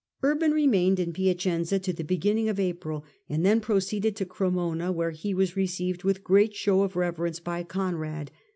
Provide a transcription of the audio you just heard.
Urban remained in Piacenza to the beginniug of April, and then proceeded to Cremona, where he was received with great show of reverence by Conrad.